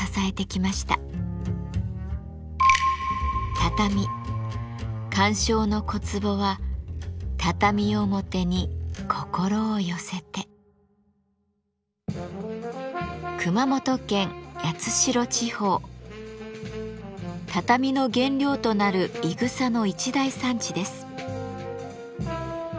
畳鑑賞の小壺は畳の原料となるいぐさの一大産地です。